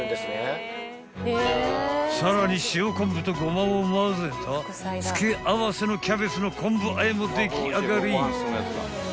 ［さらに塩こんぶとごまをまぜた付け合わせのキャベツのこんぶ和えも出来上がり］